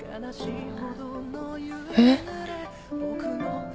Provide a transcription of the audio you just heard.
えっ？